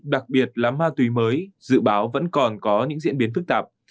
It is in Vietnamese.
đặc biệt là ma túy mới dự báo vẫn còn có những diễn biến phức tạp